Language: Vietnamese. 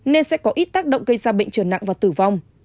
nên sẽ có ít tác động gây ra bệnh trở nặng và tử vong